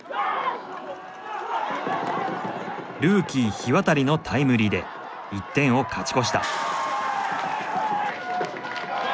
ルーキー日渡のタイムリーで１点を勝ち越した。